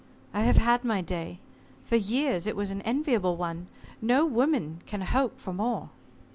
I have had my day. For years it was an enviable one. No woman can hope for more.